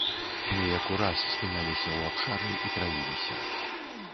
Неяк ураз спыняліся ў абшары і траіліся.